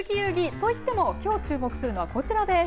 といってもきょう注目するのはこちらです。